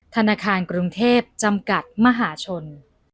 ธนาคารกรุงเทพจำกัดมหาชน